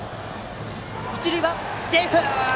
一塁はセーフ！